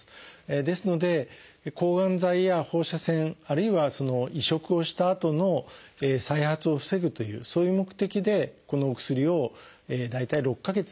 ですので抗がん剤や放射線あるいは移植をしたあとの再発を防ぐというそういう目的でこのお薬を大体６か月ですね